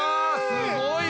すごい。